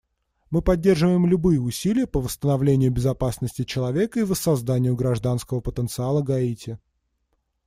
Мы поддерживаем любые усилия по восстановлению безопасности человека и воссозданию гражданского потенциала Гаити.